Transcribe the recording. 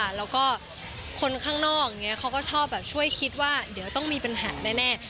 แล้วก็คนข้างนอกอย่างนี้เขาก็ชอบแบบช่วยคิดว่าเดี๋ยวต้องมีปัญหาแน่